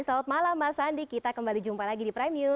selamat malam mas andi kita kembali jumpa lagi di prime news